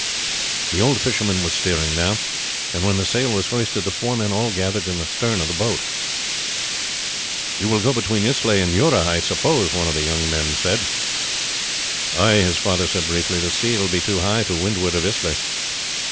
The old fisherman was steering now, and when the sail was hoisted the four men all gathered in the stern of the boat. "You will go between Islay and Jura, I suppose," one of the younger men said. "Ay," his father said briefly; "the sea will be too high to windward of Islay."